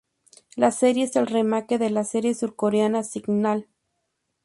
La serie es el remake de la serie surcoreana Signal.